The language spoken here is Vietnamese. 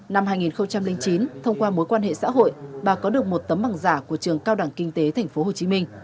năm hai nghìn chín thông qua mối quan hệ xã hội bà có được một tấm bằng giả của trường cao đẳng kinh tế tp hcm